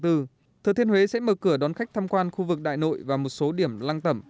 thừa thiên huế sẽ mở cửa đón khách tham quan khu vực đại nội và một số điểm lăng tẩm